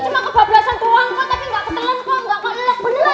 tapi gak ketelan kok